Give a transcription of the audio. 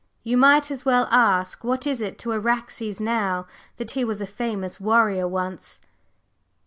You might as well ask what it is to Araxes now that he was a famous warrior once?"